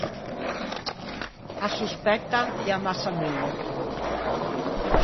Â sospettan de ammassamento.